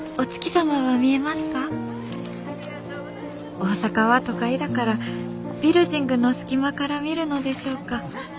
大阪は都会だからビルヂングの隙間から見るのでしょうか」。